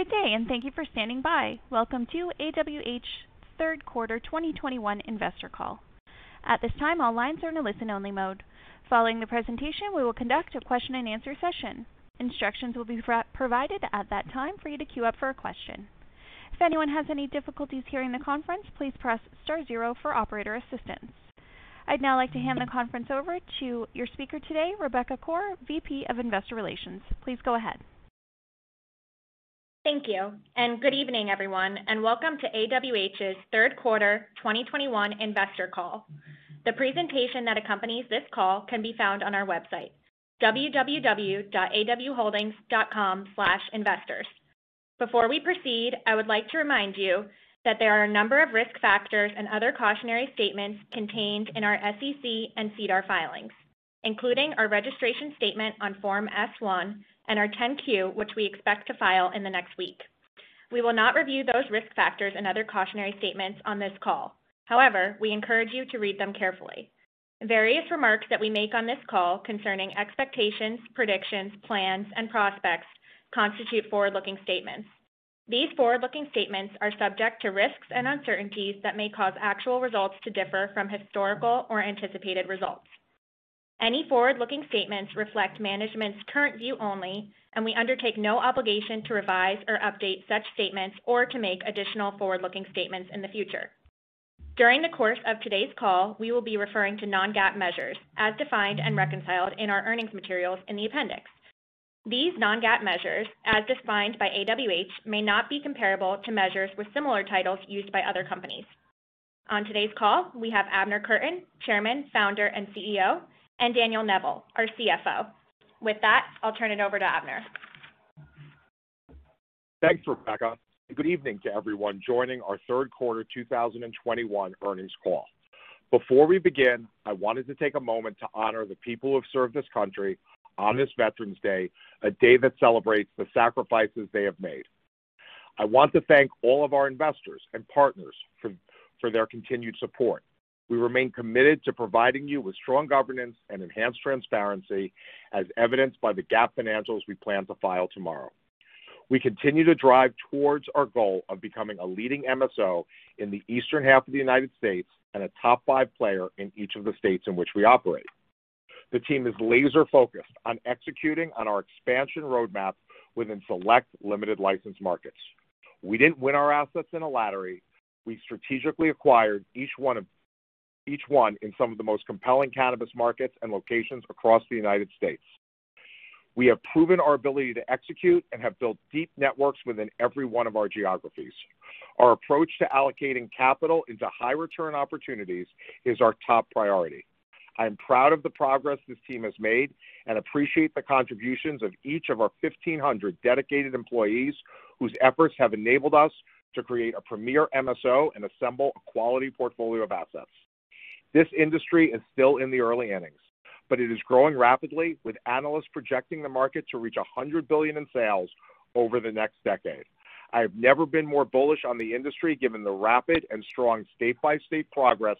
Good day, and thank you for standing by. Welcome to AWH Q3 2021 Investor Call. At this time, all lines are in a listen-only mode. Following the presentation, we will conduct a Q&A session. Instructions will be provided at that time for you to queue up for a question. If anyone has any difficulties hearing the conference, please press star zero for operator assistance. I'd now like to hand the conference over to your speaker today, Rebecca Koar, VP of Investor Relations. Please go ahead. Thank you, and good evening, everyone, and welcome to AWH's Q3 2021 investor call. The presentation that accompanies this call can be found on our website, www.awholdings.com/investors. Before we proceed, I would like to remind you that there are a number of risk factors and other cautionary statements contained in our SEC and SEDAR filings, including our registration statement on Form S-1 and our 10-Q, which we expect to file in the next week. We will not review those risk factors and other cautionary statements on this call. However, we encourage you to read them carefully. Various remarks that we make on this call concerning expectations, predictions, plans, and prospects constitute forward-looking statements. These forward-looking statements are subject to risks and uncertainties that may cause actual results to differ from historical or anticipated results. Any forward-looking statements reflect management's current view only, and we undertake no obligation to revise or update such statements or to make additional forward-looking statements in the future. During the course of today's call, we will be referring to non-GAAP measures as defined and reconciled in our earnings materials in the appendix. These non-GAAP measures, as defined by AWH, may not be comparable to measures with similar titles used by other companies. On today's call, we have Abner Kurtin, Chairman, Founder, and CEO, and Daniel Neville, our CFO. With that, I'll turn it over to Abner. Thanks, Rebecca. Good evening to everyone joining our Q3 2021 earnings call. Before we begin, I wanted to take a moment to honor the people who have served this country on this Veterans Day, a day that celebrates the sacrifices they have made. I want to thank all of our investors and partners for their continued support. We remain committed to providing you with strong governance and enhanced transparency, as evidenced by the GAAP financials we plan to file tomorrow. We continue to drive towards our goal of becoming a leading MSO in the eastern half of the United States and a top five player in each of the states in which we operate. The team is laser-focused on executing on our expansion roadmap within select limited license markets. We didn't win our assets in a lottery. We strategically acquired each one in some of the most compelling cannabis markets and locations across the United States. We have proven our ability to execute and have built deep networks within every one of our geographies. Our approach to allocating capital into high-return opportunities is our top priority. I am proud of the progress this team has made and appreciate the contributions of each of our 1,500 dedicated employees whose efforts have enabled us to create a premier MSO and assemble a quality portfolio of assets. This industry is still in the early innings, but it is growing rapidly, with analysts projecting the market to reach $100 billion in sales over the next decade. I have never been more bullish on the industry, given the rapid and strong state-by-state progress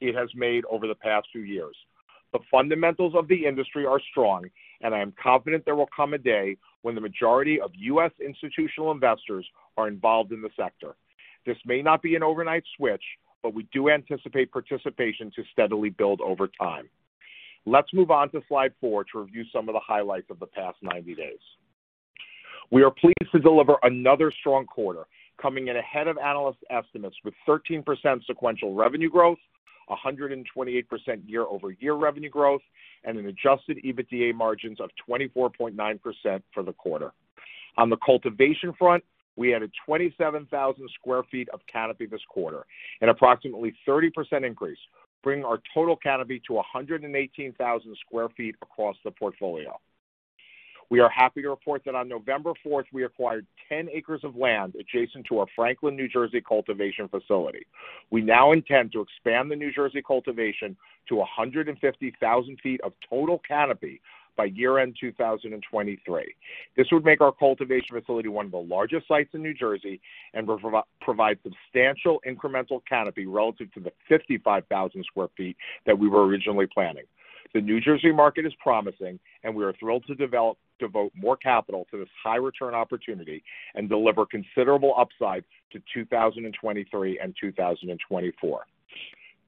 it has made over the past two years. The fundamentals of the industry are strong, and I am confident there will come a day when the majority of U.S. institutional investors are involved in the sector. This may not be an overnight switch, but we do anticipate participation to steadily build over time. Let's move on to slide four to review some of the highlights of the past 90 days. We are pleased to deliver another strong quarter, coming in ahead of analyst estimates with 13% sequential revenue growth, 128% year-over-year revenue growth, and an adjusted EBITDA margins of 24.9% for the quarter. On the cultivation front, we added 27,000 sq ft of canopy this quarter, an approximately 30% increase, bringing our total canopy to 118,000 sq ft across the portfolio. We are happy to report that on November fourth, we acquired 10 acres of land adjacent to our Franklin, New Jersey, cultivation facility. We now intend to expand the New Jersey cultivation to 150,000 sq ft of total canopy by year-end 2023. This would make our cultivation facility one of the largest sites in New Jersey and will provide substantial incremental canopy relative to the 55,000 sq ft that we were originally planning. The New Jersey market is promising, and we are thrilled to devote more capital to this high-return opportunity and deliver considerable upside to 2023 and 2024.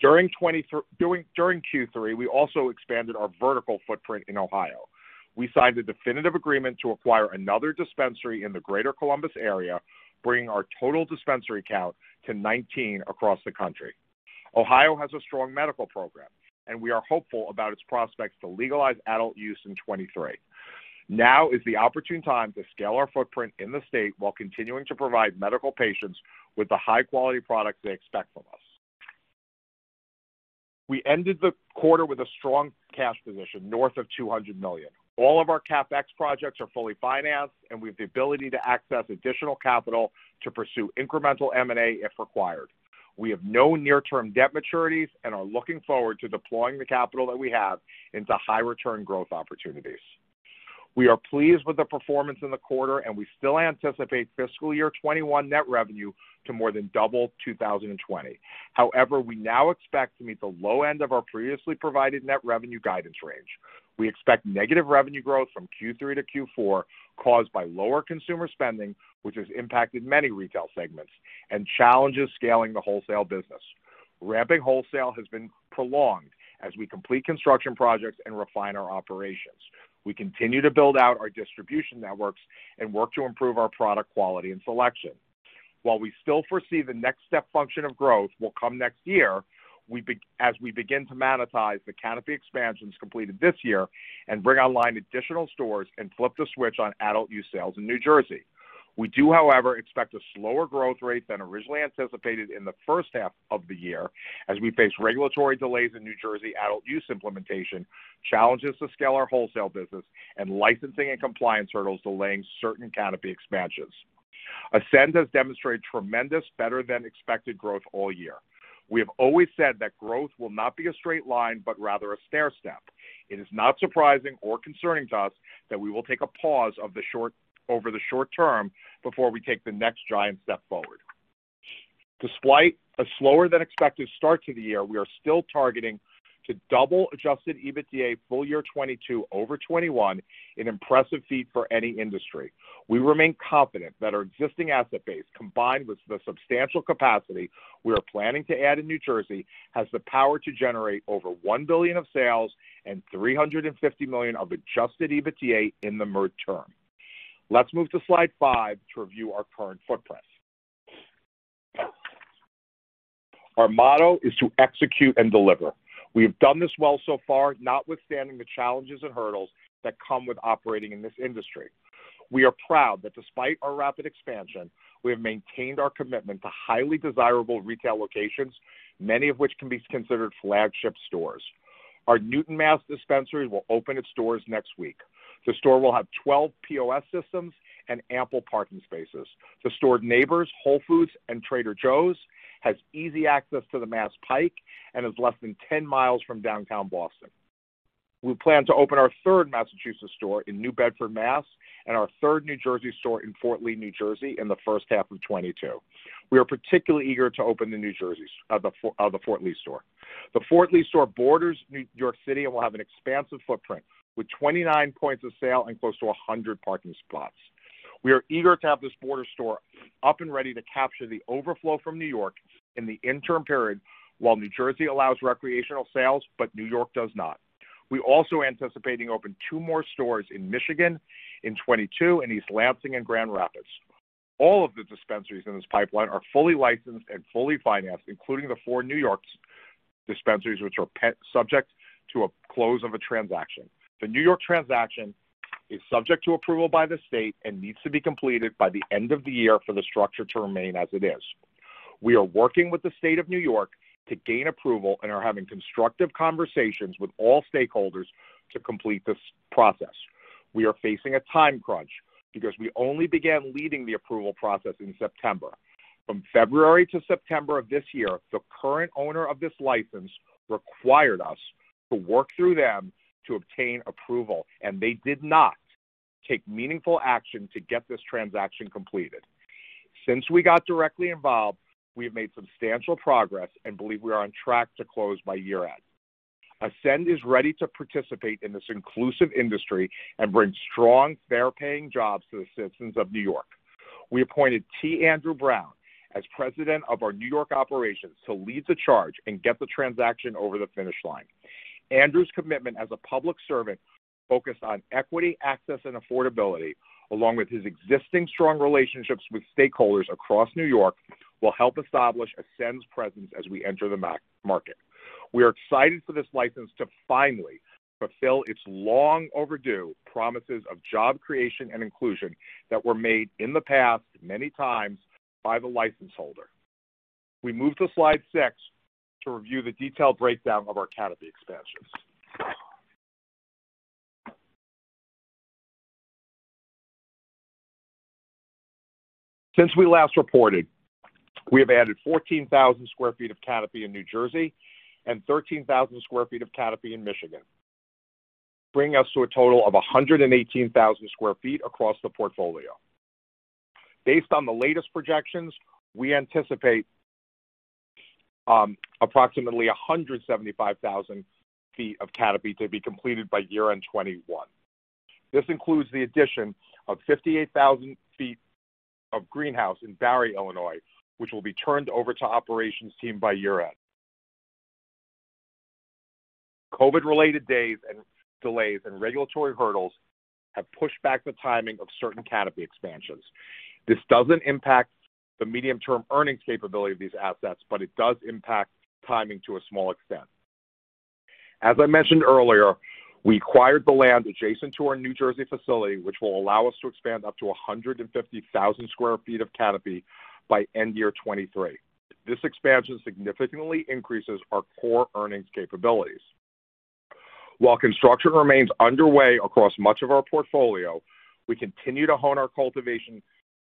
During Q3, we also expanded our vertical footprint in Ohio. We signed a definitive agreement to acquire another dispensary in the Greater Columbus area, bringing our total dispensary count to 19 across the country. Ohio has a strong medical program, and we are hopeful about its prospects to legalize adult use in 2023. Now is the opportune time to scale our footprint in the state while continuing to provide medical patients with the high-quality products they expect from us. We ended the quarter with a strong cash position north of $200 million. All of our CapEx projects are fully financed, and we have the ability to access additional capital to pursue incremental M&A if required. We have no near-term debt maturities and are looking forward to deploying the capital that we have into high-return growth opportunities. We are pleased with the performance in the quarter, and we still anticipate fiscal year 2021 net revenue to more than double 2020. However, we now expect to meet the low end of our previously provided net revenue guidance range. We expect negative revenue growth from Q3 to Q4 caused by lower consumer spending, which has impacted many retail segments and challenges scaling the wholesale business. Ramping wholesale has been prolonged as we complete construction projects and refine our operations. We continue to build out our distribution networks and work to improve our product quality and selection. While we still foresee the next step function of growth will come next year, as we begin to monetize the canopy expansions completed this year and bring online additional stores and flip the switch on adult use sales in New Jersey. We do, however, expect a slower growth rate than originally anticipated in the first half of the year as we face regulatory delays in New Jersey adult use implementation, challenges to scale our wholesale business, and licensing and compliance hurdles delaying certain canopy expansions. Ascend has demonstrated tremendous better-than-expected growth all year. We have always said that growth will not be a straight line, but rather a stairstep. It is not surprising or concerning to us that we will take a pause over the short term before we take the next giant step forward. Despite a slower-than-expected start to the year, we are still targeting to double adjusted EBITDA full year 2022 over 2021, an impressive feat for any industry. We remain confident that our existing asset base, combined with the substantial capacity we are planning to add in New Jersey, has the power to generate over $1 billion in sales and $350 million of adjusted EBITDA in the mid-term. Let's move to slide five to review our current footprint. Our motto is to execute and deliver. We have done this well so far, notwithstanding the challenges and hurdles that come with operating in this industry. We are proud that despite our rapid expansion, we have maintained our commitment to highly desirable retail locations, many of which can be considered flagship stores. Our Newton, Mass. dispensary will open its doors next week. The store will have 12 POS systems and ample parking spaces. The store neighbors Whole Foods and Trader Joe's, has easy access to the Mass Pike and is less than 10 miles from downtown Boston. We plan to open our third Massachusetts store in New Bedford, Mass., and our third New Jersey store in Fort Lee, New Jersey, in the first half of 2022. We are particularly eager to open the Fort Lee store. The Fort Lee store borders New York City and will have an expansive footprint with 29 points of sale and close to 100 parking spots. We are eager to have this border store up and ready to capture the overflow from New York in the interim period, while New Jersey allows recreational sales but New York does not. We also anticipating opening two more stores in Michigan in 2022 in East Lansing and Grand Rapids. All of the dispensaries in this pipeline are fully licensed and fully financed, including the four New York dispensaries, which are subject to a close of a transaction. The New York transaction is subject to approval by the state and needs to be completed by the end of the year for the structure to remain as it is. We are working with the state of New York to gain approval and are having constructive conversations with all stakeholders to complete this process. We are facing a time crunch because we only began leading the approval process in September. From February to September of this year, the current owner of this license required us to work through them to obtain approval, and they did not take meaningful action to get this transaction completed. Since we got directly involved, we have made substantial progress and believe we are on track to close by year-end. Ascend is ready to participate in this inclusive industry and bring strong, fair-paying jobs to the citizens of New York. We appointed T. Andrew Brown as president of our New York operations to lead the charge and get the transaction over the finish line. T. Andrew Brown's commitment as a public servant focused on equity, access, and affordability, along with his existing strong relationships with stakeholders across New York, will help establish Ascend's presence as we enter the market. We are excited for this license to finally fulfill its long overdue promises of job creation and inclusion that were made in the past many times by the license holder. We move to slide six to review the detailed breakdown of our canopy expansions. Since we last reported, we have added 14,000 sq ft of canopy in New Jersey and 13,000 sq ft of canopy in Michigan, bringing us to a total of 118,000 sq ft across the portfolio. Based on the latest projections, we anticipate approximately 175,000 feet of canopy to be completed by year-end 2021. This includes the addition of 58,000 feet of greenhouse in Barry, Illinois, which will be turned over to operations team by year-end. COVID-related days and delays and regulatory hurdles have pushed back the timing of certain canopy expansions. This doesn't impact the medium-term earnings capability of these assets, but it does impact timing to a small extent. As I mentioned earlier, we acquired the land adjacent to our New Jersey facility, which will allow us to expand up to 150,000 sq ft of canopy by year-end 2023. This expansion significantly increases our core earnings capabilities. While construction remains underway across much of our portfolio, we continue to hone our cultivation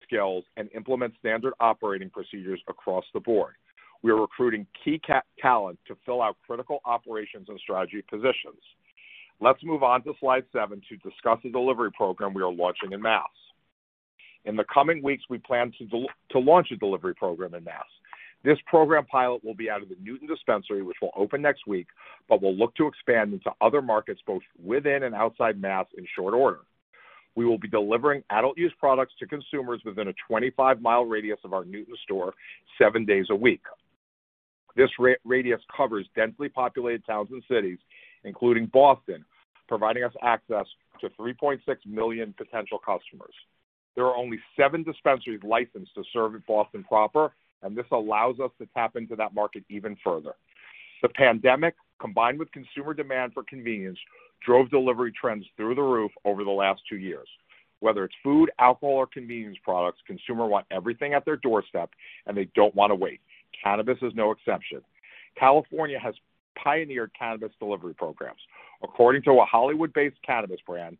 skills and implement standard operating procedures across the board. We are recruiting key talent to fill out critical operations and strategy positions. Let's move on to slide seven to discuss the delivery program we are launching in Mass. In the coming weeks, we plan to launch a delivery program in Mass. This pilot program will be out of the Newton dispensary, which will open next week, but we'll look to expand into other markets both within and outside Mass in short order. We will be delivering adult use products to consumers within a 25-mile radius of our Newton store seven days a week. This radius covers densely populated towns and cities, including Boston, providing us access to 3.6 million potential customers. There are only seven dispensaries licensed to serve in Boston proper, and this allows us to tap into that market even further. The pandemic, combined with consumer demand for convenience, drove delivery trends through the roof over the last two years. Whether it's food, alcohol, or convenience products, consumers want everything at their doorstep, and they don't want to wait. Cannabis is no exception. California has pioneered cannabis delivery programs. According to a Hollywood-based cannabis brand,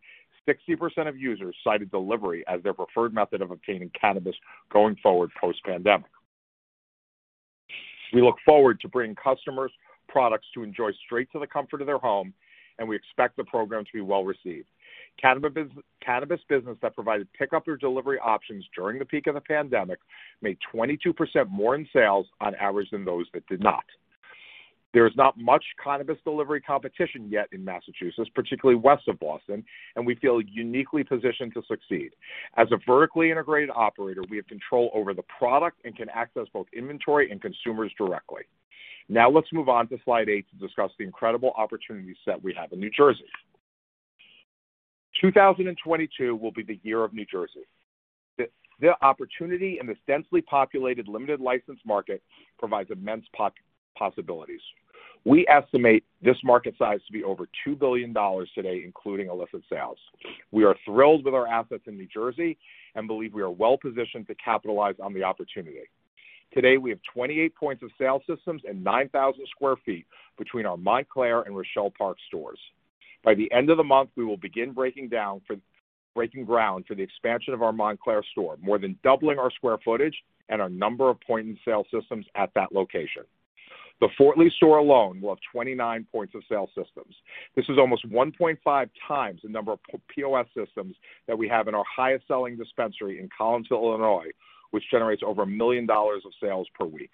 60% of users cited delivery as their preferred method of obtaining cannabis going forward post-pandemic. We look forward to bringing customers products to enjoy straight to the comfort of their home, and we expect the program to be well-received. Cannabis businesses that provided pickup or delivery options during the peak of the pandemic made 22% more in sales on average than those that did not. There is not much cannabis delivery competition yet in Massachusetts, particularly west of Boston, and we feel uniquely positioned to succeed. As a vertically integrated operator, we have control over the product and can access both inventory and consumers directly. Now let's move on to slide eight to discuss the incredible opportunity set we have in New Jersey. 2022 will be the year of New Jersey. The opportunity in this densely populated, limited license market provides immense possibilities. We estimate this market size to be over $2 billion today, including illicit sales. We are thrilled with our assets in New Jersey and believe we are well-positioned to capitalize on the opportunity. Today, we have 28 points of sale systems and 9,000 sq ft between our Montclair and Rochelle Park stores. By the end of the month, we will begin breaking ground for the expansion of our Montclair store, more than doubling our square footage and our number of point-of-sale systems at that location. The Fort Lee store alone will have 29 points of sale systems. This is almost 1.5x the number of POS systems that we have in our highest-selling dispensary in Collinsville, Illinois, which generates over $1 million of sales per week.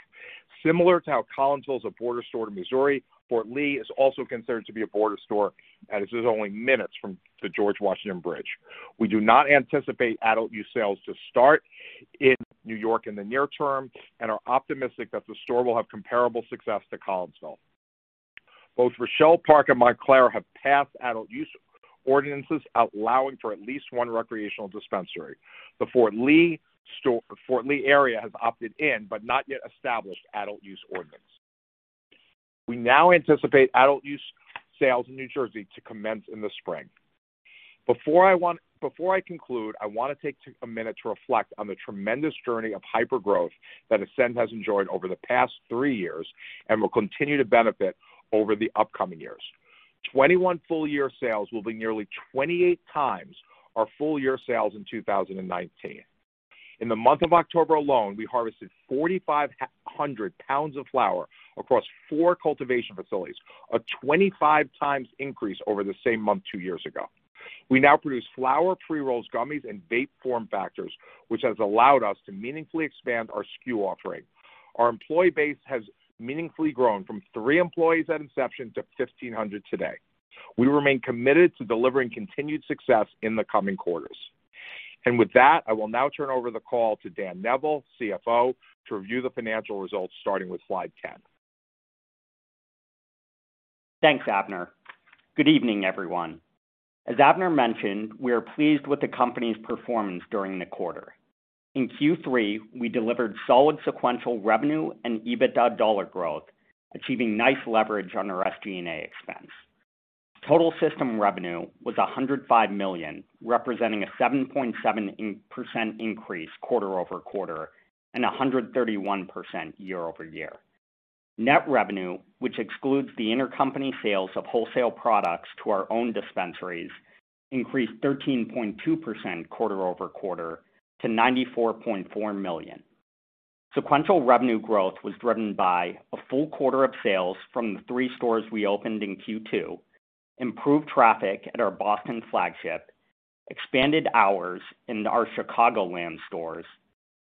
Similar to how Collinsville is a border store to Missouri, Fort Lee is also considered to be a border store as it is only minutes from the George Washington Bridge. We do not anticipate adult-use sales to start in New York in the near term and are optimistic that the store will have comparable success to Collinsville. Both Rochelle Park and Montclair have passed adult-use ordinances allowing for at least one recreational dispensary. The Fort Lee area has opted in but not yet established adult-use ordinance. We now anticipate adult-use sales in New Jersey to commence in the spring. Before I conclude, I want to take a minute to reflect on the tremendous journey of hypergrowth that Ascend has enjoyed over the past three years and will continue to benefit over the upcoming years. 2021 full-year sales will be nearly 28 times our full-year sales in 2019. In the month of October alone, we harvested 4,500 pounds of flower across four cultivation facilities, a 25x increase over the same month two years ago. We now produce flower, pre-rolls, gummies, and vape form factors, which has allowed us to meaningfully expand our SKU offering. Our employee base has meaningfully grown from three employees at inception to 1,500 today. We remain committed to delivering continued success in the coming quarters. With that, I will now turn over the call to Daniel Neville, CFO, to review the financial results starting with slide 10. Thanks, Abner. Good evening, everyone. As Abner mentioned, we are pleased with the company's performance during the quarter. In Q3, we delivered solid sequential revenue and EBITDA dollar growth, achieving nice leverage on our SG&A expense. Total system revenue was $105 million, representing a 7.7% increase quarter-over-quarter and a 131% year-over-year. Net revenue, which excludes the intercompany sales of wholesale products to our own dispensaries, increased 13.2% quarter-over-quarter to $94.4 million. Sequential revenue growth was driven by a full quarter of sales from the three stores we opened in Q2, improved traffic at our Boston flagship, expanded hours in our Chicagoland stores,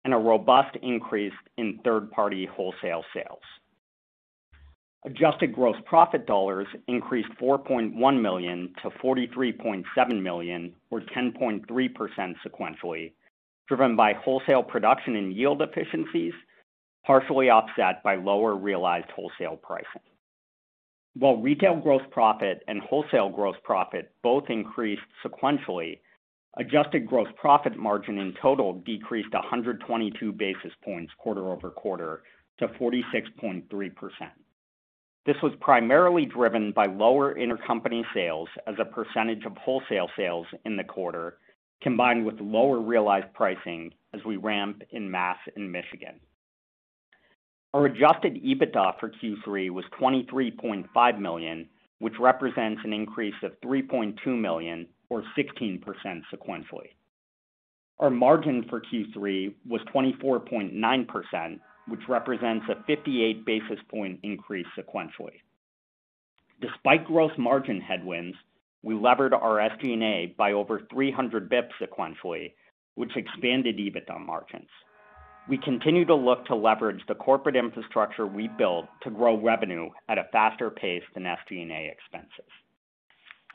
and a robust increase in third-party wholesale sales. Adjusted gross profit dollars increased $4.1 million to $43.7 million, or 10.3% sequentially, driven by wholesale production and yield efficiencies, partially offset by lower realized wholesale pricing. While retail gross profit and wholesale gross profit both increased sequentially, adjusted gross profit margin in total decreased 122 basis points quarter over quarter to 46.3%. This was primarily driven by lower intercompany sales as a percentage of wholesale sales in the quarter, combined with lower realized pricing as we ramp in Mass. and in Michigan. Our adjusted EBITDA for Q3 was $23.5 million, which represents an increase of $3.2 million or 16% sequentially. Our margin for Q3 was 24.9%, which represents a 58 basis points increase sequentially. Despite gross margin headwinds, we levered our SG&A by over 300 basis points sequentially, which expanded EBITDA margins. We continue to look to leverage the corporate infrastructure we built to grow revenue at a faster pace than SG&A expenses.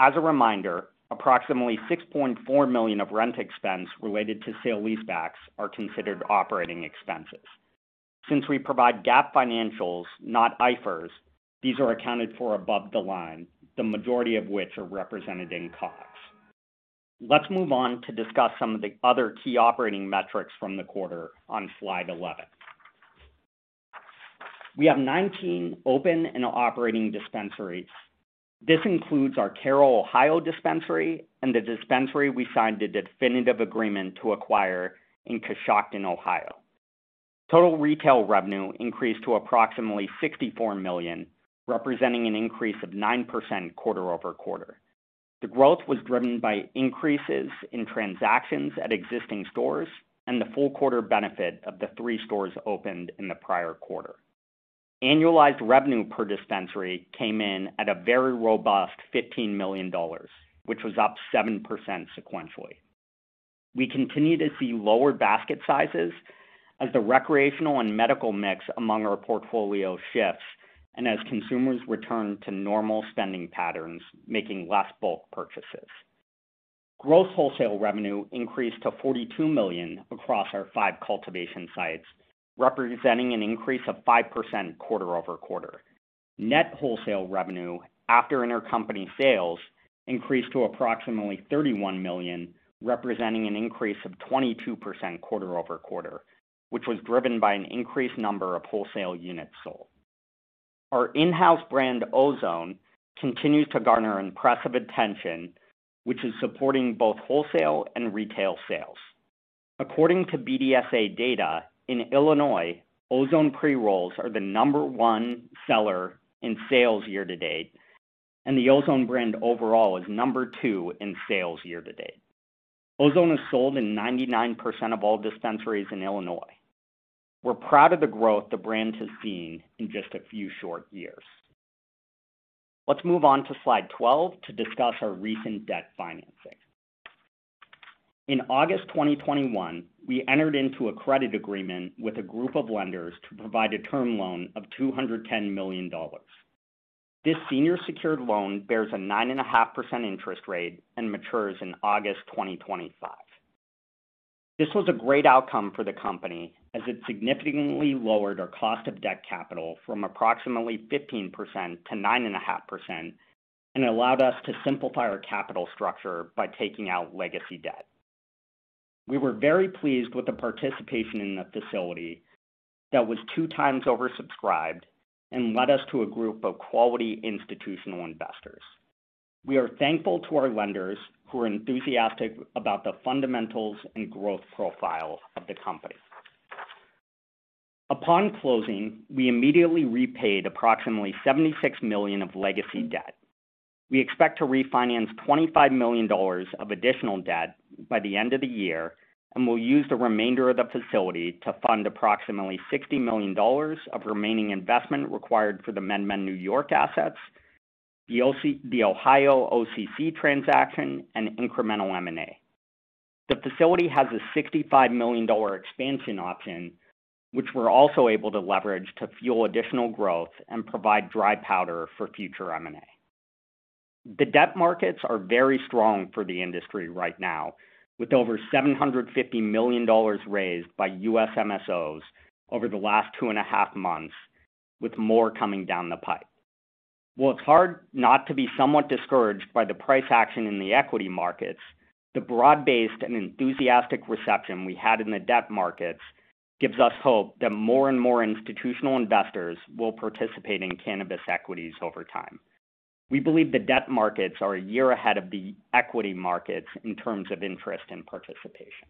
As a reminder, approximately $6.4 million of rent expense related to sale leasebacks are considered operating expenses. Since we provide GAAP financials, not IFRS, these are accounted for above the line, the majority of which are represented in COGS. Let's move on to discuss some of the other key operating metrics from the quarter on slide 11. We have 19 open and operating dispensaries. This includes our Carroll, Ohio dispensary and the dispensary we signed a definitive agreement to acquire in Coshocton, Ohio. Total retail revenue increased to approximately $64 million, representing an increase of 9% quarter-over-quarter. The growth was driven by increases in transactions at existing stores and the full quarter benefit of the three stores opened in the prior quarter. Annualized revenue per dispensary came in at a very robust $15 million, which was up 7% sequentially. We continue to see lower basket sizes as the recreational and medical mix among our portfolio shifts and as consumers return to normal spending patterns, making less bulk purchases. Gross wholesale revenue increased to $42 million across our five cultivation sites, representing an increase of 5% quarter-over-quarter. Net wholesale revenue after intercompany sales increased to approximately $31 million, representing an increase of 22% quarter-over-quarter, which was driven by an increased number of wholesale units sold. Our in-house brand, Ozone, continues to garner impressive attention, which is supporting both wholesale and retail sales. According to BDSA data, in Illinois, Ozone pre-rolls are the number 1one seller in sales year to date, and the Ozone brand overall is number two in sales year to date. Ozone is sold in 99% of all dispensaries in Illinois. We're proud of the growth the brand has seen in just a few short years. Let's move on to slide 12 to discuss our recent debt financing. In August 2021, we entered into a credit agreement with a group of lenders to provide a term loan of $210 million. This senior secured loan bears a 9.5% interest rate and matures in August 2025. This was a great outcome for the company as it significantly lowered our cost of debt capital from approximately 15% to 9.5%, and allowed us to simplify our capital structure by taking out legacy debt. We were very pleased with the participation in the facility that was 2x oversubscribed and led us to a group of quality institutional investors. We are thankful to our lenders who are enthusiastic about the fundamentals and growth profile of the company. Upon closing, we immediately repaid approximately $76 million of legacy debt. We expect to refinance $25 million of additional debt by the end of the year, and we'll use the remainder of the facility to fund approximately $60 million of remaining investment required for the MedMen New York assets, the Ohio OCC transaction, and incremental M&A. The facility has a $65 million expansion option, which we're also able to leverage to fuel additional growth and provide dry powder for future M&A. The debt markets are very strong for the industry right now, with over $750 million raised by U.S. MSOs over the last 2.5 months, with more coming down the pipe. While it's hard not to be somewhat discouraged by the price action in the equity markets, the broad-based and enthusiastic reception we had in the debt markets gives us hope that more and more institutional investors will participate in cannabis equities over time. We believe the debt markets are a year ahead of the equity markets in terms of interest and participation.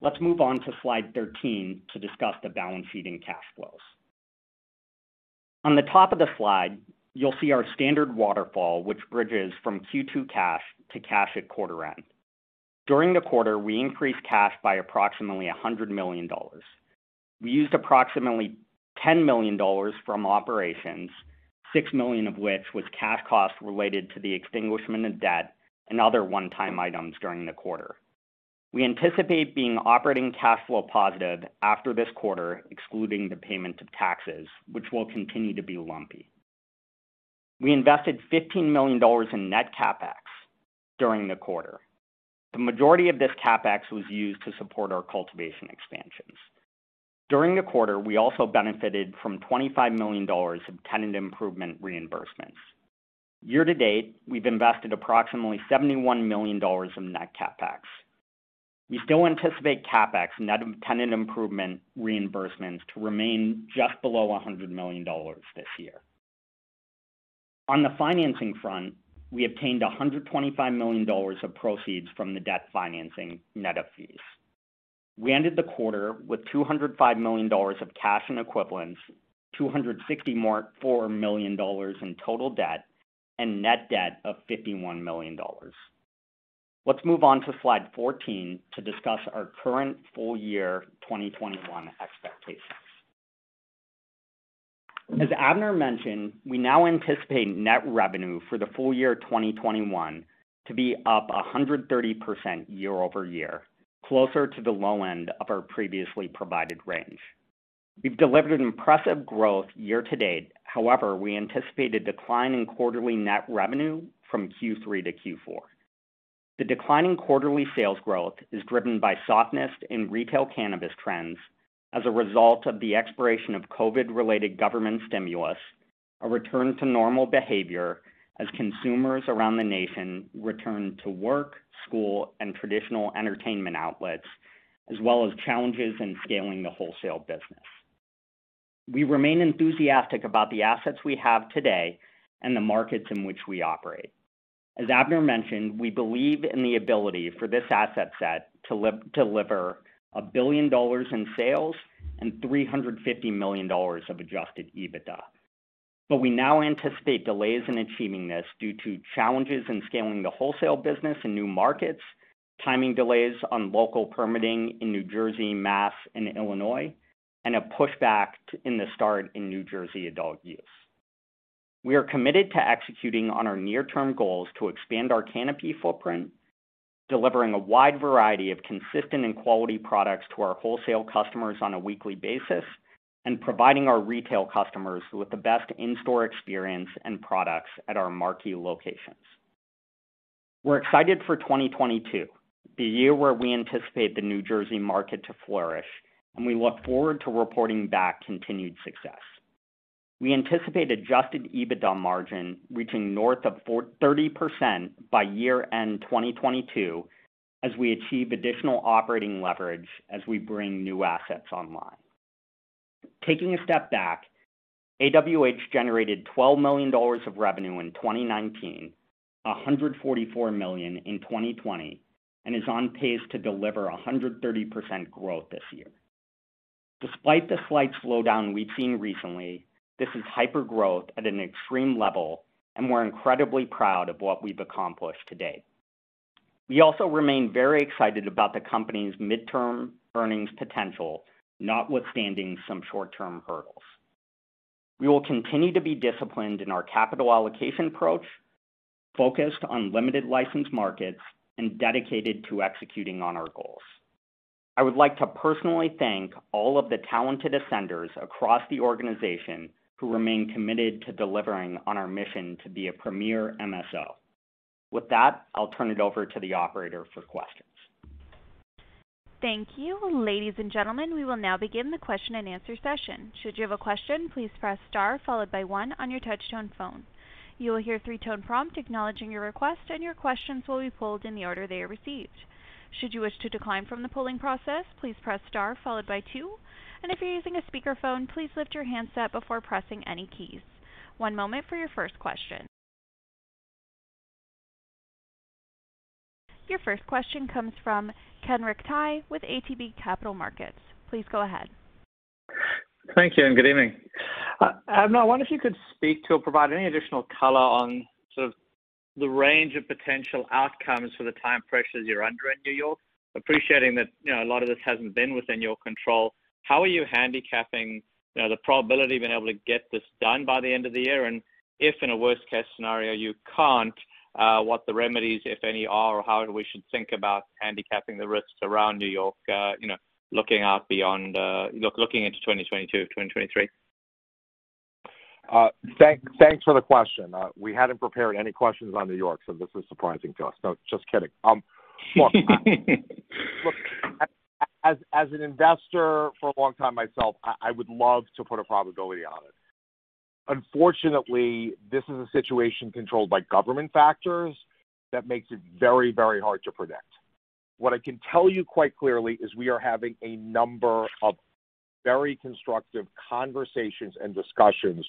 Let's move on to slide 13 to discuss the balance sheet and cash flows. On the top of the slide, you'll see our standard waterfall, which bridges from Q2 cash to cash at quarter end. During the quarter, we increased cash by approximately $100 million. We used approximately $10 million from operations, $6 million of which was cash costs related to the extinguishment of debt and other one-time items during the quarter. We anticipate being operating cash flow positive after this quarter, excluding the payment of taxes, which will continue to be lumpy. We invested $15 million in net CapEx during the quarter. The majority of this CapEx was used to support our cultivation expansions. During the quarter, we also benefited from $25 million of tenant improvement reimbursements. Year to date, we've invested approximately $71 million in net CapEx. We still anticipate CapEx net of tenant improvement reimbursements to remain just below $100 million this year. On the financing front, we obtained $125 million of proceeds from the debt financing net of fees. We ended the quarter with $205 million of cash and equivalents, $264 million in total debt, and net debt of $51 million. Let's move on to slide 14 to discuss our current full year 2021 expectations. As Abner mentioned, we now anticipate net revenue for the full year 2021 to be up 130% year-over-year, closer to the low end of our previously provided range. We've delivered impressive growth year to date. However, we anticipate a decline in quarterly net revenue from Q3 to Q4. The decline in quarterly sales growth is driven by softness in retail cannabis trends as a result of the expiration of COVID-related government stimulus, a return to normal behavior as consumers around the nation return to work, school, and traditional entertainment outlets, as well as challenges in scaling the wholesale business. We remain enthusiastic about the assets we have today and the markets in which we operate. As Abner mentioned, we believe in the ability for this asset set to deliver $1 billion in sales and $350 million of adjusted EBITDA. We now anticipate delays in achieving this due to challenges in scaling the wholesale business in new markets, timing delays on local permitting in New Jersey, Mass and Illinois, and a pushback in the start in New Jersey adult use. We are committed to executing on our near-term goals to expand our canopy footprint, delivering a wide variety of consistent and quality products to our wholesale customers on a weekly basis, and providing our retail customers with the best in-store experience and products at our marquee locations. We're excited for 2022, the year where we anticipate the New Jersey market to flourish, and we look forward to reporting back continued success. We anticipate adjusted EBITDA margin reaching north of 40% by year-end 2022 as we achieve additional operating leverage as we bring new assets online. Taking a step back, AWH generated $12 million of revenue in 2019, $144 million in 2020, and is on pace to deliver 130% growth this year. Despite the slight slowdown we've seen recently, this is hypergrowth at an extreme level, and we're incredibly proud of what we've accomplished to date. We also remain very excited about the company's midterm earnings potential, notwithstanding some short-term hurdles. We will continue to be disciplined in our capital allocation approach, focused on limited license markets, and dedicated to executing on our goals. I would like to personally thank all of the talented Ascenders across the organization who remain committed to delivering on our mission to be a premier MSO. With that, I'll turn it over to the operator for questions. Thank you. Ladies and gentlemen, we will now begin the Q&A session. Should you have a question, please press star followed by one on your touch-tone phone. You will hear three-tone prompt acknowledging your request, and your questions will be pulled in the order they are received. Should you wish to decline from the polling process, please press star followed by two. If you're using a speakerphone, please lift your handset before pressing any keys. One moment for your first question. Your first question comes from Kenric Tyghe with ATB Capital Markets. Please go ahead. Thank you and good evening. Abner, I wonder if you could speak to or provide any additional color on sort of the range of potential outcomes for the time pressures you're under in New York. Appreciating that, you know, a lot of this hasn't been within your control, how are you handicapping, you know, the probability of being able to get this done by the end of the year? If in a worst case scenario you can't, what the remedies, if any, are, or how we should think about handicapping the risks around New York, you know, looking out beyond, looking into 2022, 2023. Thanks for the question. We hadn't prepared any questions on New York, so this is surprising to us. No, just kidding. Look, as an investor for a long time myself, I would love to put a probability on it. Unfortunately, this is a situation controlled by government factors that makes it very, very hard to predict. What I can tell you quite clearly is we are having a number of very constructive conversations and discussions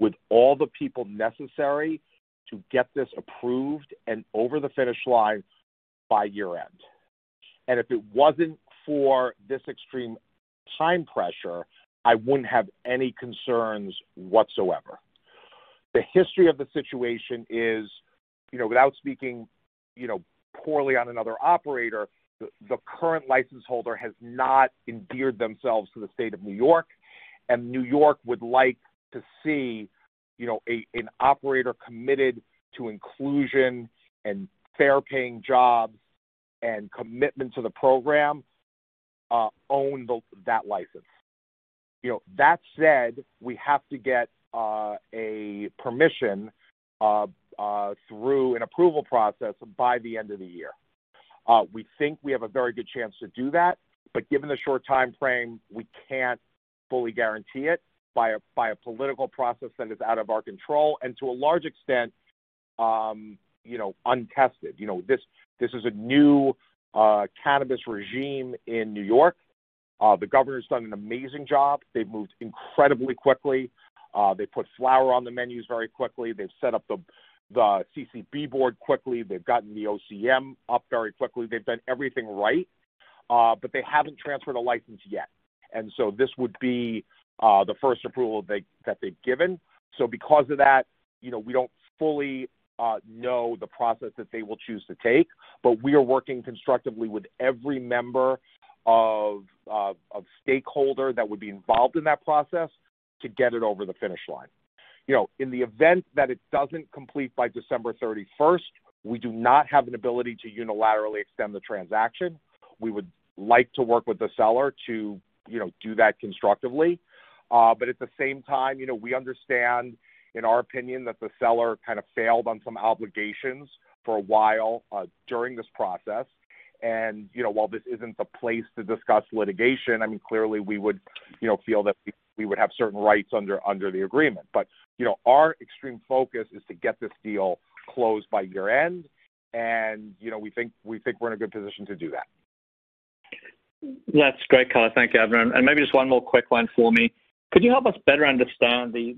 with all the people necessary to get this approved and over the finish line by year-end. If it wasn't for this extreme time pressure, I wouldn't have any concerns whatsoever. The history of the situation is, you know, without speaking, you know, poorly on another operator, the current license holder has not endeared themselves to the state of New York, and New York would like to see, you know, an operator committed to inclusion and fair paying jobs and commitment to the program, own that license. You know, that said, we have to get permitting through an approval process by the end of the year. We think we have a very good chance to do that, but given the short timeframe, we can't fully guarantee it by a political process that is out of our control and, to a large extent, you know, untested. You know, this is a new cannabis regime in New York. The governor's done an amazing job. They've moved incredibly quickly. They put flower on the menus very quickly. They've set up the CCB board quickly. They've gotten the OCM up very quickly. They've done everything right. They haven't transferred a license yet. This would be the first approval that they've given. Because of that, you know, we don't fully know the process that they will choose to take. We are working constructively with every member of stakeholder that would be involved in that process to get it over the finish line. You know, in the event that it doesn't complete by December 31st, we do not have an ability to unilaterally extend the transaction. We would like to work with the seller to, you know, do that constructively. At the same time, you know, we understand, in our opinion, that the seller kind of failed on some obligations for a while during this process. You know, while this isn't the place to discuss litigation, I mean, clearly we would, you know, feel that we would have certain rights under the agreement. you know, our extreme focus is to get this deal closed by year-end, and, you know, we think we're in a good position to do that. That's great, Kurtin. Thank you, everyone. Maybe just one more quick one for me. Could you help us better understand the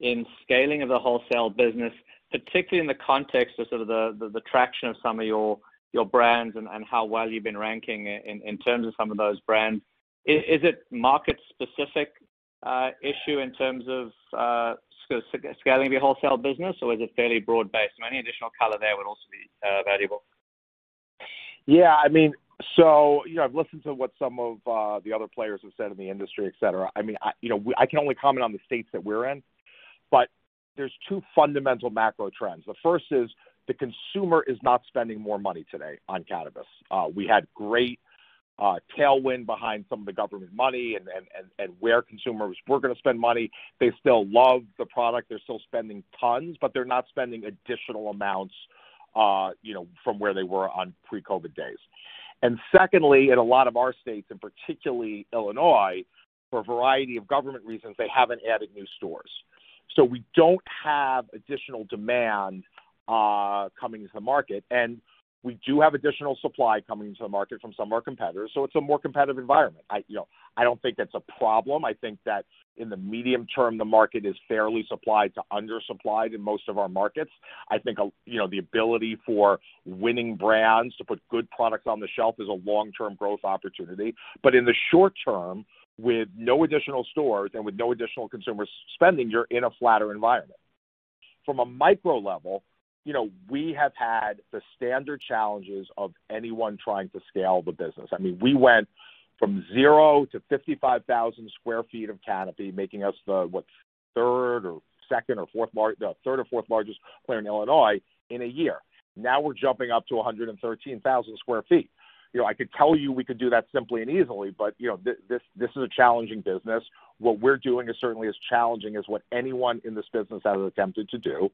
challenges in scaling of the wholesale business, particularly in the context of sort of the traction of some of your brands and how well you've been ranking in terms of some of those brands? Is it market-specific issue in terms of scaling the wholesale business, or is it fairly broad-based? Any additional color there would also be valuable. I mean, you know, I've listened to what some of the other players have said in the industry, et cetera. I mean, you know, I can only comment on the states that we're in. There's two fundamental macro trends. The first is, the consumer is not spending more money today on cannabis. We had great tailwind behind some of the government money and where consumers were gonna spend money. They still love the product. They're still spending tons, but they're not spending additional amounts, you know, from where they were on pre-COVID days. Secondly, in a lot of our states, and particularly Illinois, for a variety of government reasons, they haven't added new stores. We don't have additional demand coming to the market, and we do have additional supply coming into the market from some of our competitors, so it's a more competitive environment. I, you know, I don't think that's a problem. I think that in the medium term, the market is fairly supplied to undersupplied in most of our markets. I think you know, the ability for winning brands to put good products on the shelf is a long-term growth opportunity. In the short term, with no additional stores and with no additional consumer spending, you're in a flatter environment. From a micro level, you know, we have had the standard challenges of anyone trying to scale the business. I mean, we went from 0 to 55,000 sq ft of canopy, making us the, what, third or fourth largest player in Illinois in a year. Now we're jumping up to 113,000 sq ft. You know, I could tell you we could do that simply and easily, but, you know, this is a challenging business. What we're doing is certainly as challenging as what anyone in this business has attempted to do.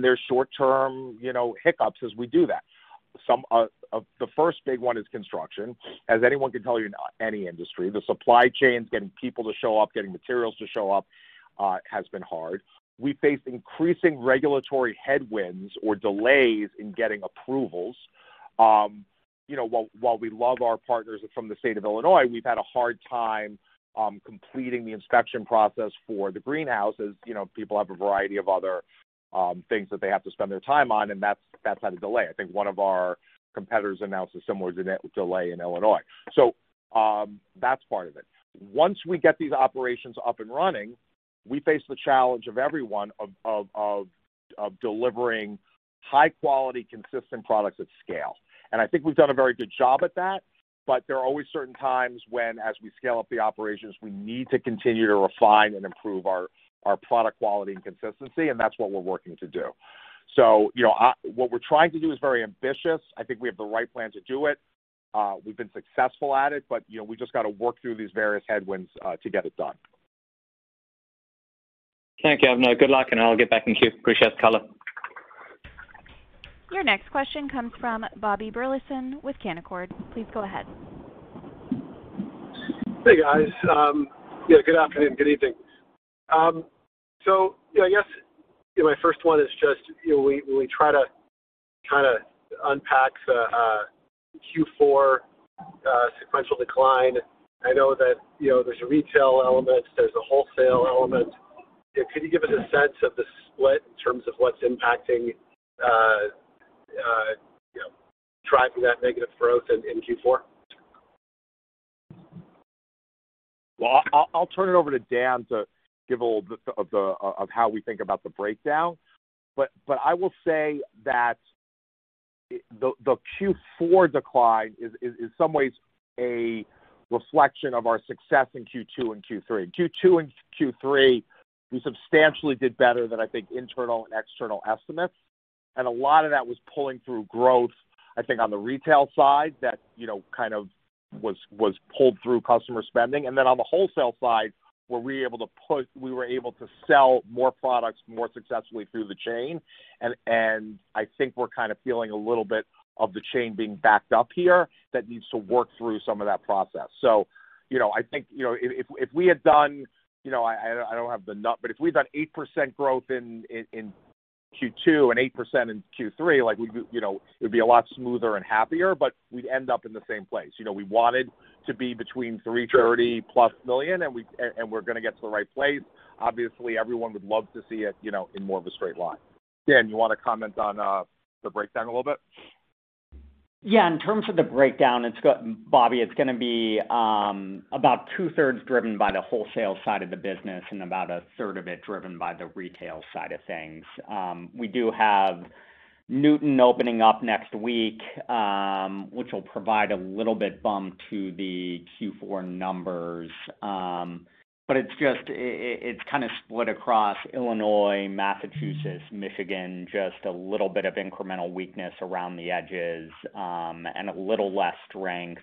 There's short-term, you know, hiccups as we do that. Some of The first big one is construction. As anyone can tell you, in any industry, the supply chains, getting people to show up, getting materials to show up, has been hard. We face increasing regulatory headwinds or delays in getting approvals. You know, while we love our partners from the state of Illinois, we've had a hard time completing the inspection process for the greenhouses. You know, people have a variety of other things that they have to spend their time on, and that's been a delay. I think one of our competitors announced a similar delay in Illinois. That's part of it. Once we get these operations up and running, we face the challenge of every one of delivering high quality, consistent products at scale. I think we've done a very good job at that, but there are always certain times when, as we scale up the operations, we need to continue to refine and improve our product quality and consistency, and that's what we're working to do. You know, what we're trying to do is very ambitious. I think we have the right plan to do it. We've been successful at it, but, you know, we just got to work through these various headwinds to get it done. Thank you, everyone. Good luck, and I'll get back in queue. Appreciate the color. Your next question comes from Bobby Burleson with Canaccord Genuity. Please go ahead. Hey, guys. Yeah, good afternoon. Good evening. So, you know, I guess, you know, my first one is just, you know, when we try to kind of unpack the Q4 sequential decline, I know that, you know, there's a retail element, there's a wholesale element. Could you give us a sense of the split in terms of what's impacting, you know, driving that negative growth in Q4? Well, I'll turn it over to Dan to give a little bit of how we think about the breakdown. I will say that the Q4 decline is in some ways a reflection of our success in Q2 and Q3. In Q2 and Q3, we substantially did better than I think internal and external estimates, and a lot of that was pulling through growth, I think, on the retail side that, you know, kind of was pulled through customer spending. On the wholesale side, we were able to sell more products more successfully through the chain. I think we're kind of feeling a little bit of the chain being backed up here that needs to work through some of that process. You know, I think, you know, if we had done, you know, but if we'd done 8% growth in Q2 and 8% in Q3, like, we'd be, you know, it'd be a lot smoother and happier, but we'd end up in the same place. You know, we wanted to be between $330+ million, and we're gonna get to the right place. Obviously, everyone would love to see it, you know, in more of a straight line. Dan, you want to comment on the breakdown a little bit? Yeah. In terms of the breakdown, it's Bobby, it's gonna be about two-thirds driven by the wholesale side of the business and about a third of it driven by the retail side of things. We do have Newton opening up next week, which will provide a little bit bump to the Q4 numbers. But it's just kind of split across Illinois, Massachusetts, Michigan, just a little bit of incremental weakness around the edges, and a little less strength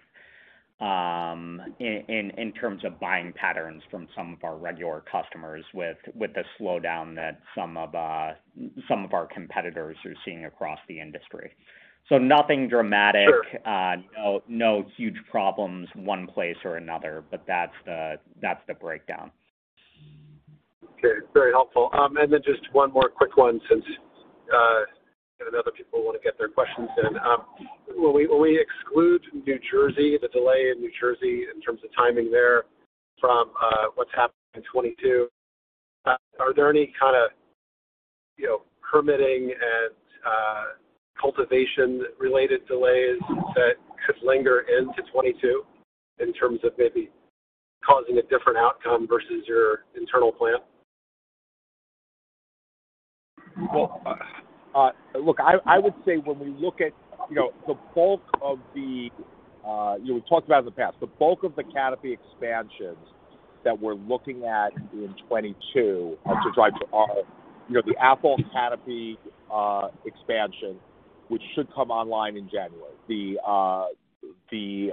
in terms of buying patterns from some of our regular customers with the slowdown that some of our competitors are seeing across the industry. Nothing dramatic. Sure. No huge problems one place or another, but that's the breakdown. Okay. Very helpful. Just one more quick one since I know other people wanna get their questions in. When we exclude New Jersey, the delay in New Jersey in terms of timing there from what's happening in 2022, are there any kinda, you know, permitting and cultivation-related delays that could linger into 2022 in terms of maybe causing a different outcome versus your internal plan? Well, look, I would say when we look at, you know, the bulk of the canopy expansions that we talked about in the past that we're looking at in 2022 to drive to Athol, you know, the Athol canopy expansion, which should come online in January. The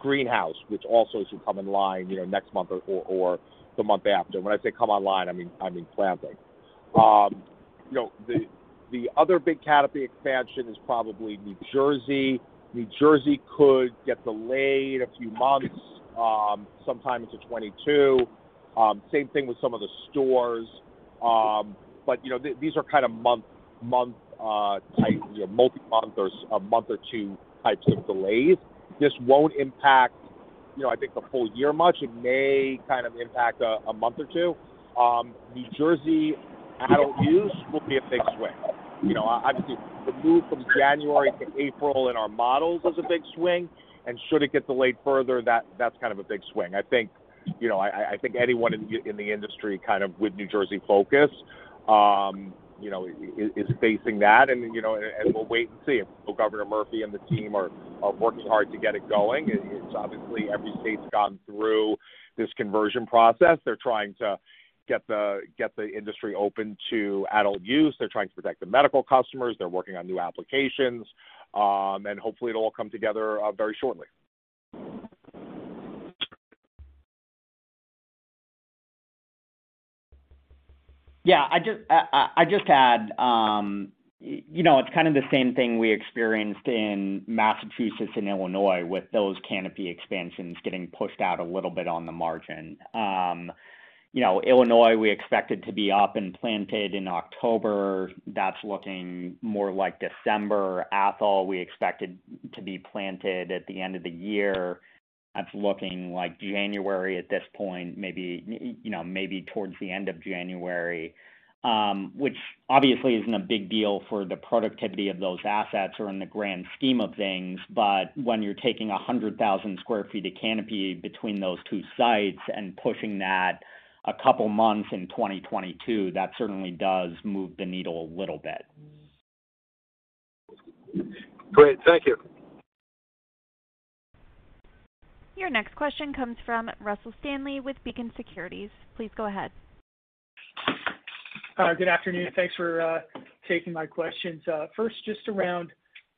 greenhouse, which also should come online, you know, next month or the month after. When I say come online, I mean planting. You know, the other big canopy expansion is probably New Jersey. New Jersey could get delayed a few months, sometime into 2022. Same thing with some of the stores. But, you know, these are kind of month-to-month type, you know, multi-month or a month or two types of delays. This won't impact, you know, I think the full year much. It may kind of impact a month or two. New Jersey adult use will be a big swing. You know, obviously, the move from January to April in our models is a big swing. Should it get delayed further, that's kind of a big swing. I think, you know, I think anyone in the industry kind of with New Jersey focus, you know, is facing that. You know, we'll wait and see if Governor Murphy and the team are working hard to get it going. It's obviously every state's gone through this conversion process. They're trying to get the industry open to adult use. They're trying to protect the medical customers. They're working on new applications. Hopefully it'll all come together very shortly. Yeah, I just add, you know, it's kind of the same thing we experienced in Massachusetts and Illinois with those canopy expansions getting pushed out a little bit on the margin. You know, Illinois, we expected to be up and planted in October. That's looking more like December. Athol, we expected to be planted at the end of the year. That's looking like January at this point, maybe, you know, maybe towards the end of January. Which obviously isn't a big deal for the productivity of those assets or in the grand scheme of things. But when you're taking 100,000 sq ft of canopy between those two sites and pushing that a couple months in 2022, that certainly does move the needle a little bit. Great. Thank you. Your next question comes from Russell Stanley with Beacon Securities. Please go ahead. Hi, good afternoon. Thanks for taking my questions. First, just around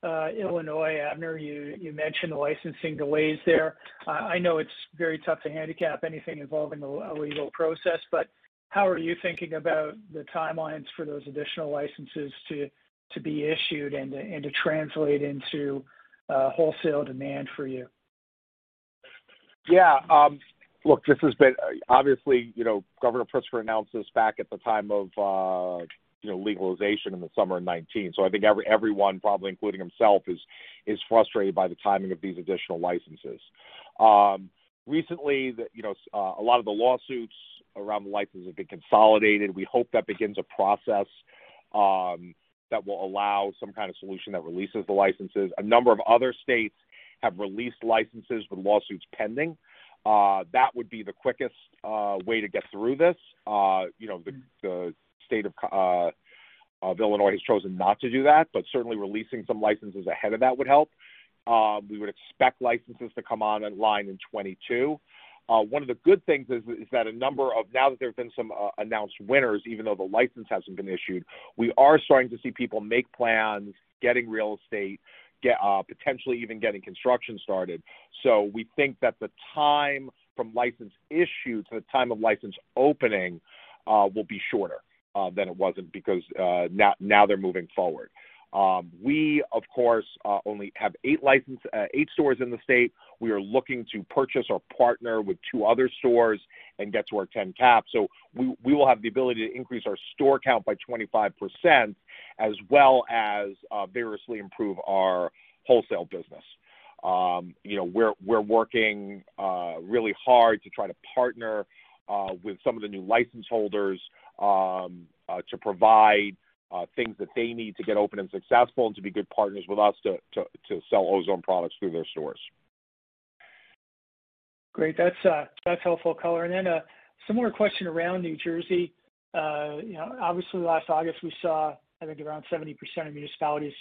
Illinois. Abner, you mentioned the licensing delays there. I know it's very tough to handicap anything involving a legal process, but how are you thinking about the timelines for those additional licenses to be issued and to translate into wholesale demand for you? Yeah. Look, this has been obviously, you know, Governor Pritzker announced this back at the time of, you know, legalization in the summer of 2019. I think everyone, probably including himself, is frustrated by the timing of these additional licenses. Recently, a lot of the lawsuits around the license have been consolidated. We hope that begins a process that will allow some kind of solution that releases the licenses. A number of other states have released licenses with lawsuits pending. That would be the quickest way to get through this. You know, the state of Illinois has chosen not to do that, but certainly releasing some licenses ahead of that would help. We would expect licenses to come online in 2022. One of the good things is that now that there have been some announced winners, even though the license hasn't been issued, we are starting to see people make plans, getting real estate, potentially even getting construction started. We think that the time from license issue to the time of license opening will be shorter than it was, because now they're moving forward. We, of course, only have eight stores in the state. We are looking to purchase or partner with two other stores and get to our 10 cap. We will have the ability to increase our store count by 25% as well as variously improve our wholesale business. You know, we're working really hard to try to partner with some of the new license holders to provide things that they need to get open and successful and to be good partners with us to sell Ozone products through their stores. Great. That's helpful color. Similar question around New Jersey. You know, obviously last August we saw, I think around 70% of municipalities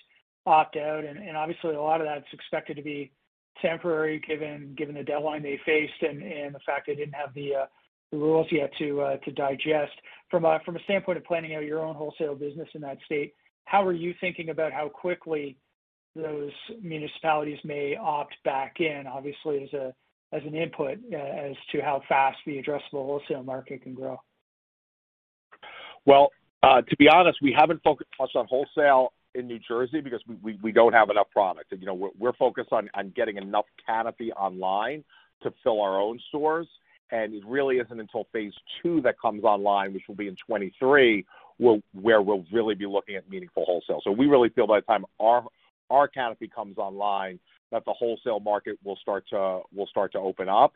opt-out, and obviously a lot of that's expected to be temporary given the deadline they faced and the fact they didn't have the rules yet to digest. From a standpoint of planning out your own wholesale business in that state, how are you thinking about how quickly those municipalities may opt back in, obviously as an input as to how fast the addressable wholesale market can grow? Well, to be honest, we haven't focused much on wholesale in New Jersey because we don't have enough product. You know, we're focused on getting enough canopy online to fill our own stores. It really isn't until phase two that comes online, which will be in 2023, where we'll really be looking at meaningful wholesale. We really feel by the time our canopy comes online, that the wholesale market will start to open up.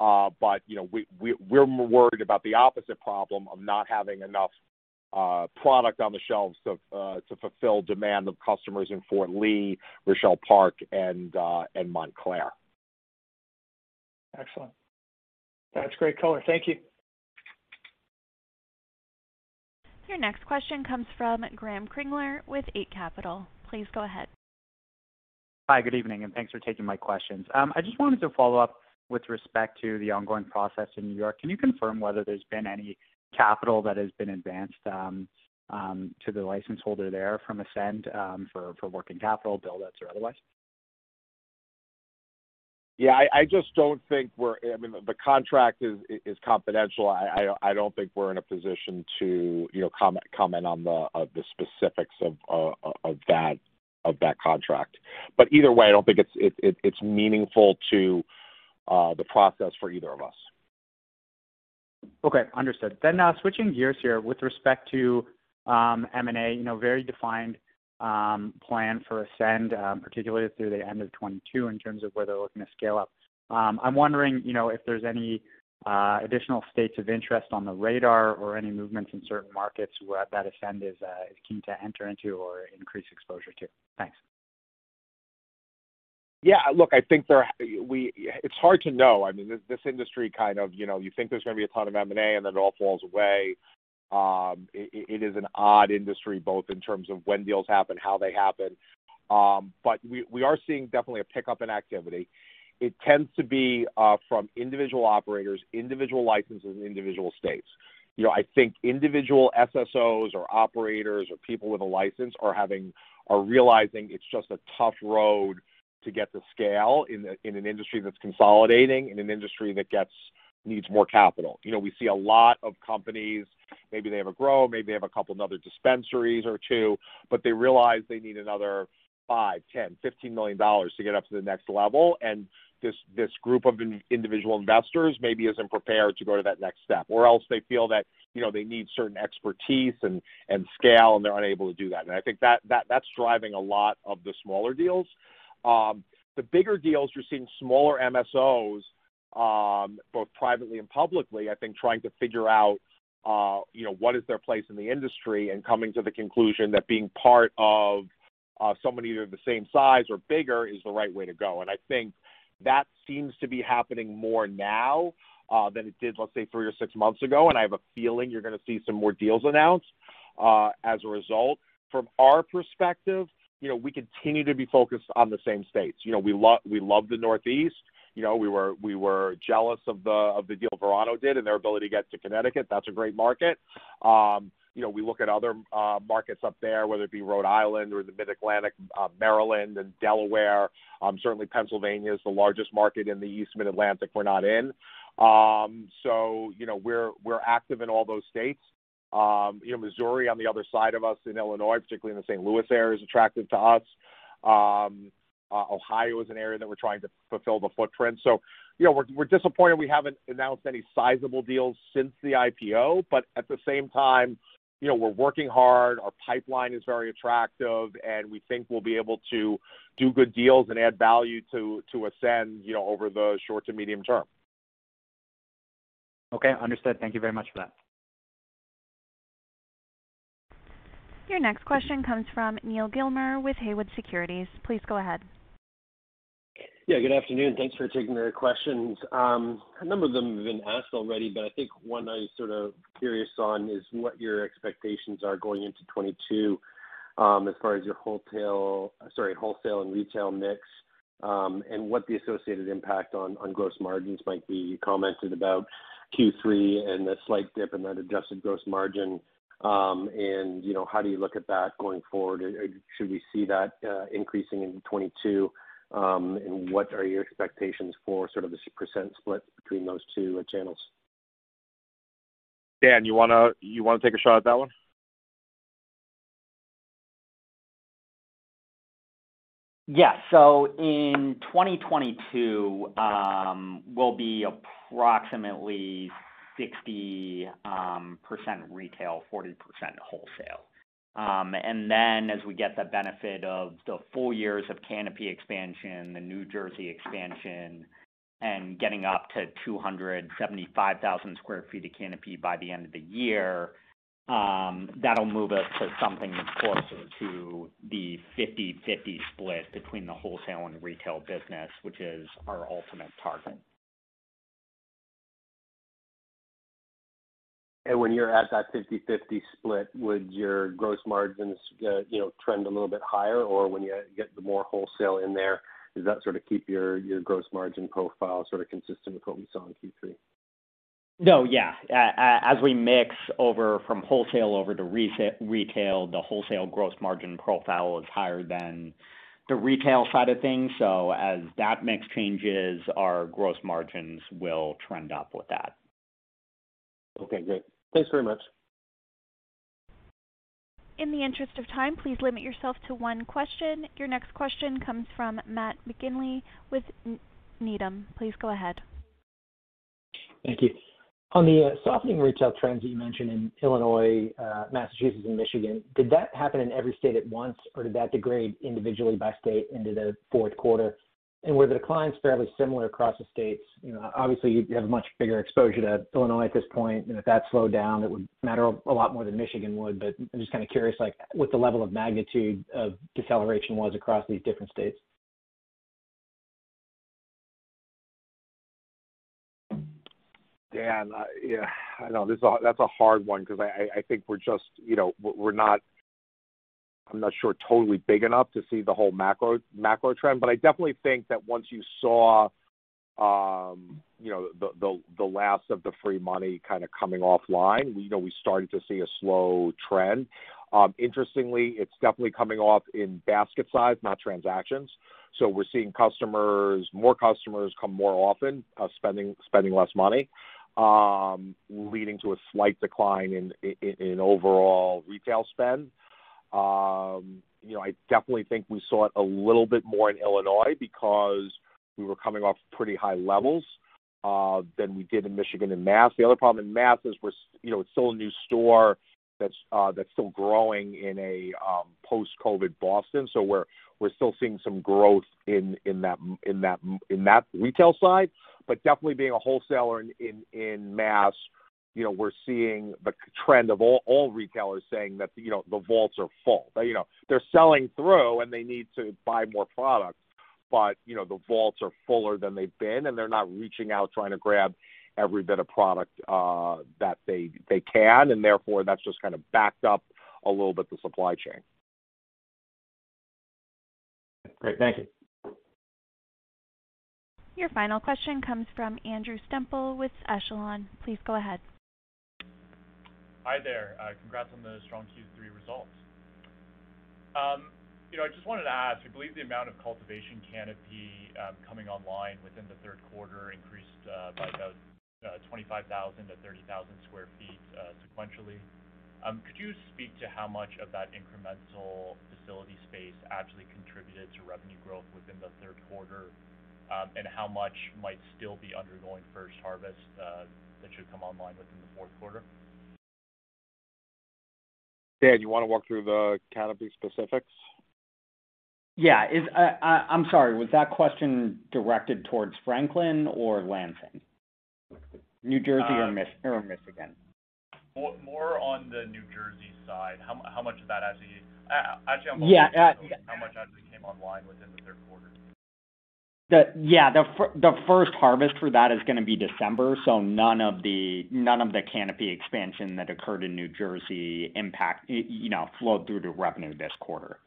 But you know, we're more worried about the opposite problem of not having enough product on the shelves to fulfill demand of customers in Fort Lee, Rochelle Park, and Montclair. Excellent. That's great color. Thank you. Your next question comes from Graeme Kreindler with Eight Capital. Please go ahead. Hi, good evening, and thanks for taking my questions. I just wanted to follow up with respect to the ongoing process in New York. Can you confirm whether there's been any capital that has been advanced to the license holder there from Ascend for working capital, bills, debts or otherwise? Yeah. I mean, the contract is confidential. I don't think we're in a position to, you know, comment on the specifics of that contract. Either way, I don't think it's meaningful to the process for either of us. Okay. Understood. Switching gears here with respect to M&A, you know, very defined plan for Ascend, particularly through the end of 2022 in terms of where they're looking to scale up. I'm wondering, you know, if there's any additional states of interest on the radar or any movements in certain markets where Ascend is keen to enter into or increase exposure to. Thanks. Yeah, look, I think it's hard to know. I mean, this industry kind of, you know, you think there's gonna be a ton of M&A, and then it all falls away. It is an odd industry, both in terms of when deals happen, how they happen. We are seeing definitely a pickup in activity. It tends to be from individual operators, individual licenses in individual states. You know, I think individual SSOs or operators or people with a license are realizing it's just a tough road to get to scale in an industry that's consolidating, in an industry that needs more capital. You know, we see a lot of companies, maybe they have a grow, maybe they have a couple of other dispensaries or two, but they realize they need another $5, $10, $15 million to get up to the next level. This group of individual investors maybe isn't prepared to go to that next step. Else they feel that, you know, they need certain expertise and scale, and they're unable to do that. I think that's driving a lot of the smaller deals. The bigger deals, you're seeing smaller MSOs, both privately and publicly, I think, trying to figure out, you know, what is their place in the industry and coming to the conclusion that being part of somebody who are the same size or bigger is the right way to go. I think that seems to be happening more now than it did, let's say, three or six months ago, and I have a feeling you're gonna see some more deals announced as a result. From our perspective, you know, we continue to be focused on the same states. You know, we love the Northeast. You know, we were jealous of the deal Verano did and their ability to get to Connecticut. That's a great market. You know, we look at other markets up there, whether it be Rhode Island or the Mid-Atlantic, Maryland and Delaware. Certainly Pennsylvania is the largest market in the East Mid-Atlantic we're not in. You know, we're active in all those states. You know, Missouri on the other side of us in Illinois, particularly in the St. Louis area is attractive to us. Ohio is an area that we're trying to fulfill the footprint. You know, we're disappointed we haven't announced any sizable deals since the IPO, but at the same time, you know, we're working hard, our pipeline is very attractive, and we think we'll be able to do good deals and add value to Ascend, you know, over the short to medium term. Okay. Understood. Thank you very much for that. Your next question comes from Neal Gilmer with Haywood Securities. Please go ahead. Yeah, good afternoon. Thanks for taking the questions. A number of them have been asked already, but I think one I'm sort of curious on is what your expectations are going into 2022, as far as your wholesale and retail mix, and what the associated impact on gross margins might be. You commented about Q3 and a slight dip in that adjusted gross margin, and you know, how do you look at that going forward? Should we see that increasing in 2022? What are your expectations for sort of the percent split between those two channels? Dan, you wanna take a shot at that one? Yeah. In 2022, we'll be approximately 60% retail, 40% wholesale. As we get the benefit of the full years of canopy expansion, the New Jersey expansion, and getting up to 275,000 sq ft of canopy by the end of the year, that'll move us to something that's closer to the 50/50 split between the wholesale and retail business, which is our ultimate target. When you're at that 50/50 split, would your gross margins trend a little bit higher? Or when you get the more wholesale in there, does that sort of keep your gross margin profile sort of consistent with what we saw in Q3? No. Yeah. As we mix over from wholesale over to retail, the wholesale gross margin profile is higher than the retail side of things. As that mix changes, our gross margins will trend up with that. Okay, great. Thanks very much. In the interest of time, please limit yourself to one question. Your next question comes from Matt McGinley with Needham. Please go ahead. Thank you. On the softening retail trends that you mentioned in Illinois, Massachusetts and Michigan, did that happen in every state at once, or did that degrade individually by state into the Q4? Were the declines fairly similar across the states? You know, obviously, you have much bigger exposure to Illinois at this point, and if that slowed down, it would matter a lot more than Michigan would. But I'm just kind of curious, like, what the level of magnitude of deceleration was across these different states. Dan, yeah, I know. That's a hard one because I think we're just, you know, I'm not sure totally big enough to see the whole macro trend. I definitely think that once you saw the last of the free money kind of coming offline, you know, we started to see a slow trend. Interestingly, it's definitely coming off in basket size, not transactions. We're seeing more customers come more often, spending less money, leading to a slight decline in overall retail spend. You know, I definitely think we saw it a little bit more in Illinois because we were coming off pretty high levels than we did in Michigan and Mass. The other problem in Mass is, we're, you know, it's still a new store that's still growing in a post-COVID Boston. We're still seeing some growth in that retail side. Definitely being a wholesaler in Mass, you know, we're seeing the trend of all retailers saying that, you know, the vaults are full. You know, they're selling through and they need to buy more product, but, you know, the vaults are fuller than they've been, and they're not reaching out, trying to grab every bit of product that they can, and therefore, that's just kind of backed up a little bit the supply chain. Great. Thank you. Your final question comes from Andrew Semple with Echelon Capital Markets. Please go ahead. Hi there. Congrats on the strong Q3 results. You know, I just wanted to ask, I believe the amount of cultivation canopy coming online within the Q3 increased by about 25,000-30,000 sq ft sequentially. Could you speak to how much of that incremental facility space actually contributed to revenue growth within the Q3? How much might still be undergoing first harvest that should come online within the Q4? Dan Neville, do you wanna walk through the canopy specifics? I'm sorry, was that question directed towards Franklin or Lansing? New Jersey or Michigan? More on the New Jersey side. How much of that actually. Actually, I'm Yeah. Yeah. How much actually came online within the Q3? The first harvest for that is gonna be December, so none of the canopy expansion that occurred in New Jersey impacts you know, flowed through to revenue this quarter.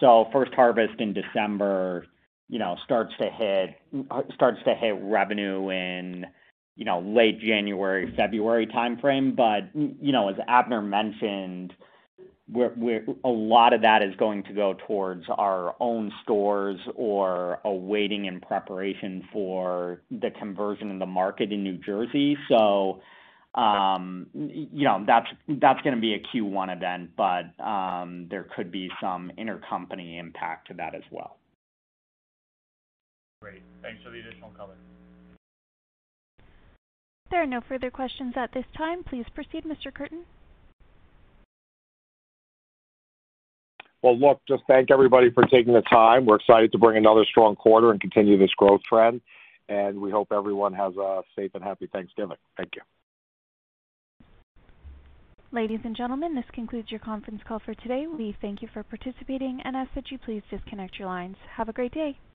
First harvest in December, you know, starts to hit revenue in, you know, late January, February timeframe. You know, as Abner mentioned, we're. A lot of that is going to go towards our own stores or are waiting in preparation for the conversion in the market in New Jersey. You know, that's gonna be a Q1 event, but there could be some intercompany impact to that as well. Great. Thanks for the additional color. There are no further questions at this time. Please proceed, Mr. Kurtin. Well, look, just to thank everybody for taking the time. We're excited to bring another strong quarter and continue this growth trend, and we hope everyone has a safe and happy Thanksgiving. Thank you. Ladies and gentlemen, this concludes your conference call for today. We thank you for participating, and ask that you please disconnect your lines. Have a great day.